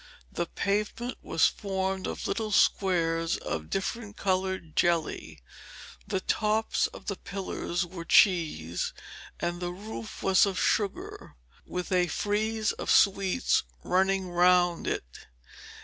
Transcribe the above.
The pavement was formed of little squares of different coloured jelly, the tops of the pillars were cheese, and the roof was of sugar, with a frieze of sweets running round it.